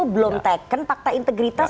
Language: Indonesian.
belum teken fakta integritas